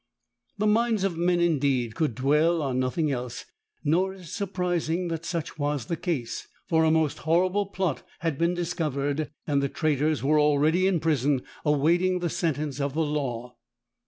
The minds of men indeed could dwell on nothing else; nor is it surprising that such was the case; for a most horrible plot had been discovered, and the traitors were already in prison awaiting the sentence of the law.